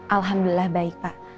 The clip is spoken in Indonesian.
alhamdulillah baik pak